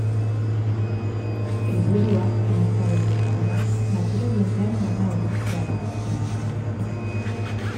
Helburua, teknikariaren arabera, natura jendearengana hurbiltzea da azken batean.